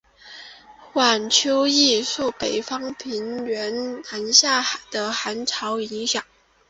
晚秋易受北方平原南下的寒潮影响。